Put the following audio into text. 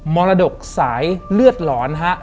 มรดกสายเลือดหลอนฮะ